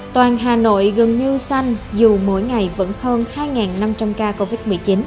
toàn hà nội gần như xanh dù mỗi ngày vẫn hơn hai năm trăm linh ca covid một mươi chín